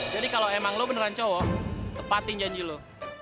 jadi kalo emang lo beneran cowok tepatin janji lo